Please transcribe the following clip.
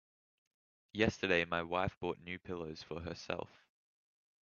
Yesterday my wife bought new pillows for herself.